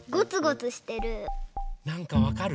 なんかわかる？